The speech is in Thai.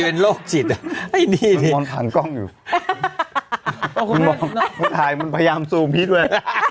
มันโรคจิตไอ้นี่มันขันกล้องอยู่มันพยายามสูงพี่ด้วย